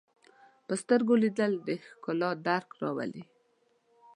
په سترګو لیدل د ښکلا درک راولي